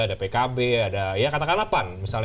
ada pkb ada ya katakan delapan misalnya